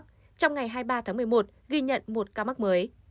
trong ngày hai mươi ba tháng một mươi một ghi nhận một ca mắc mới